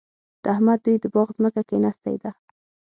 د احمد دوی د باغ ځمکه کېنستې ده.